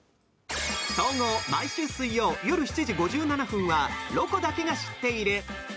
総合毎週水曜日夜７時５７分は「ロコだけが知っている」。